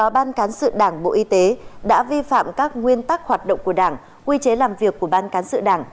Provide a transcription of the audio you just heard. bộ y tế đã vi phạm các nguyên tắc hoạt động của đảng quy chế làm việc của ban cán sự đảng